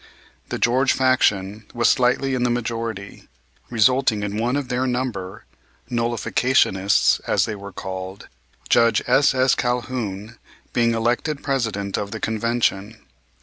The George faction was slightly in the majority, resulting in one of their number, nullificationists, as they were called, Judge S.S. Calhoun, being elected President of the Convention.